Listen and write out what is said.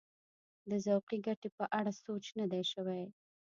د ذوقي ګټې په اړه سوچ نه دی شوی.